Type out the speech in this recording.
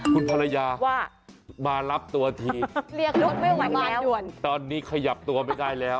คุณภรรยาว่ามารับตัวทีเรียกรถไม่ไหวมาด่วนตอนนี้ขยับตัวไม่ได้แล้ว